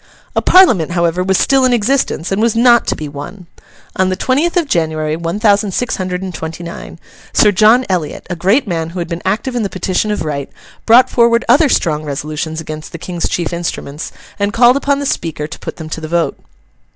A Parliament, however, was still in existence, and was not to be won. On the twentieth of January, one thousand six hundred and twenty nine, Sir John Eliot, a great man who had been active in the Petition of Right, brought forward other strong resolutions against the King's chief instruments, and called upon the Speaker to put them to the vote.